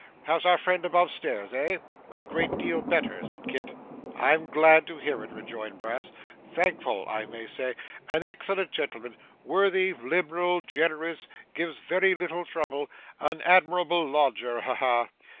How's our friend above stairs, eh?' 'A great deal better,' said Kit. 'I'm glad to hear it,' rejoined Brass; 'thankful, I may say. An excellent gentleman worthy, liberal, generous, gives very little trouble an admirable lodger. Ha ha!